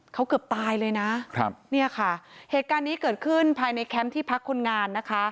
เขาเกือบตายเลยนะนี่ค่ะ